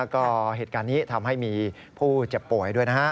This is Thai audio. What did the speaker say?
ก็เหตุการณ์นี้ทำให้มีผู้เจ็บป่วยด้วยนะฮะ